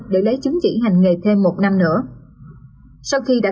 để lấy chứng chỉ hành nghề thêm một năm nữa